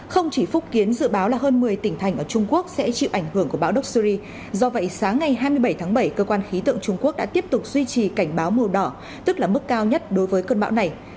không chỉ phúc kiến dự báo là hơn một mươi tỉnh thành ở trung quốc sẽ chịu ảnh hưởng của bão doxury do vậy sáng ngày hai mươi bảy tháng bảy cơ quan khí tượng trung quốc đã tiếp tục duy trì cảnh báo màu đỏ tức là mức cao nhất đối với cơn bão này